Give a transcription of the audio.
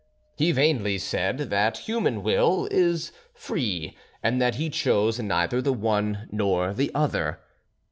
He vainly said that human will is free, and that he chose neither the one nor the other.